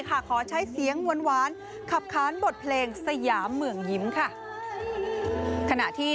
คอยขอคอยวันวันมาจอดแรกที